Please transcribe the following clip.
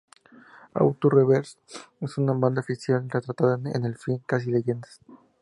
Auto Reverse es una banda ficcional retratada en el film Casi Leyendas.